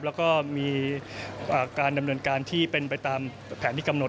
แล้วก็มีการดำเนินการที่เป็นไปตามแผนที่กำหนด